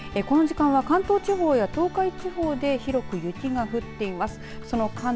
この時間は関東地方や東海地方で広く雪が降っています。